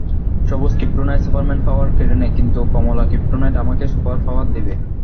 সবুজ ক্রিপ্টোনাইট সুপারম্যানের পাওয়ার কেড়ে নেয়, কিন্তু কমলা ক্রিপ্টোনাইট আমাকে সুপারপাওয়ার দিবে।